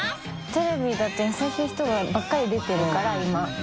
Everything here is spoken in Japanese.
テレビだと優しい人ばっかり出てるから今。